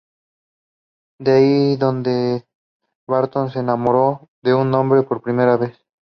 Fue allí donde Barton se enamoró de un hombre por primera vez.